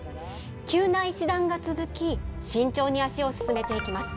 急な石段が続き、慎重に足を進めていきます。